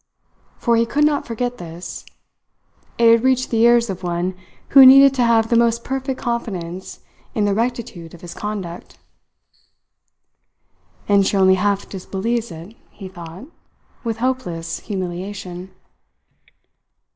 For he could not forget this. It had reached the ears of one who needed to have the most perfect confidence in the rectitude of his conduct. "And she only half disbelieves it," he thought, with hopeless humiliation.